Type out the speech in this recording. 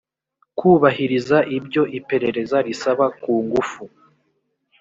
kubahiriza ibyo iperereza risaba ku ngufu